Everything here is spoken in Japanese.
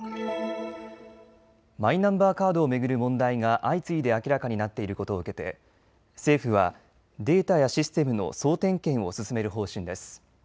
マイナンバーカードを巡る問題が相次いで明らかになっていることを受けて政府はデータやシステムの総点検を進める方針です。